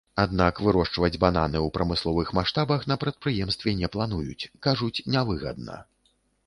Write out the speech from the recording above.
Аднак вырошчваць бананы ў прамысловых маштабах на прадпрыемстве не плануюць, кажуць, не выгадна.